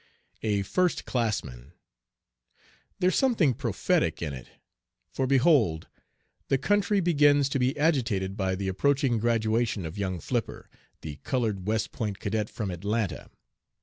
A first classman! "There's something prophetic in it," for behold "The country begins to be agitated by the approaching graduation of young Flipper, the colored West Point cadet from Atlanta.